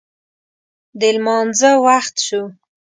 د لمانځه وخت شو